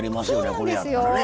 これやったらね。